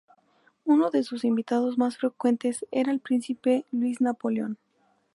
Uno de sus invitados más frecuentes era el príncipe Luis Napoleón.